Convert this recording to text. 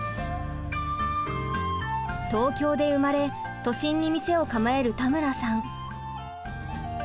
東京で生まれ都心に店を構える田村さん。